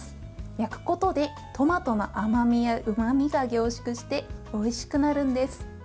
焼くことでトマトの甘みやうまみが凝縮しておいしくなるんです。